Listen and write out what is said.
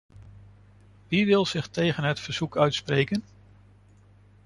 Wie wil zich tegen het verzoek uitspreken?